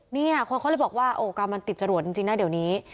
เนี่ยคนเขาเลยบอกว่าโอ้กรรมมันติดจรวดจริงนะเดี๋ยวนี้